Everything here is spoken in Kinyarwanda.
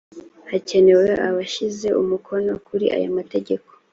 hakenewe abashyize umukono kuri aya mategeko